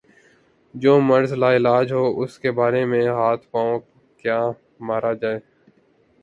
جو مرض لا علاج ہو اس کے بارے میں ہاتھ پاؤں کیا مارا جائے۔